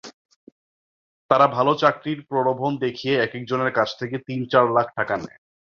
তারা ভালো চাকরির প্রলোভন দেখিয়ে একেকজনের কাছ থেকে তিন-চার লাখ টাকা নেয়।